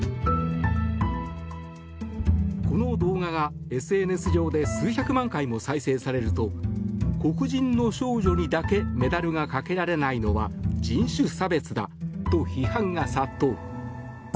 この動画がＳＮＳ上で数百万回も再生されると黒人の少女にだけメダルがかけられないのは人種差別だと批判が殺到。